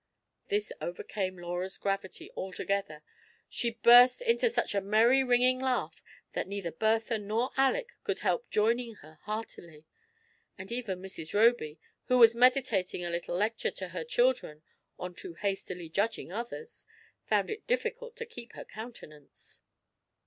" This overcame Laura's gravity altogether; she burst into such a merry ringing laugh that neither Bertha nor Aleck could help joining her heartily; and even Mrs. Roby, who was meditating a little lecture to her chil dren on too hastily judging othera, found it difficult to keep her countenance.